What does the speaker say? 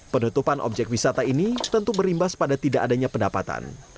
penutupan objek wisata ini tentu berimbas pada tidak adanya pendapatan